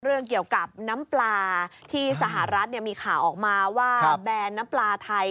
เรื่องเกี่ยวกับน้ำปลาที่สหรัฐมีข่าวออกมาว่าแบรนด์น้ำปลาไทย